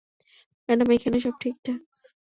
Madam, এইখানে সব ঠিকঠাক।